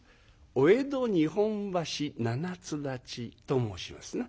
「お江戸日本橋七ツ立ち」と申しますな。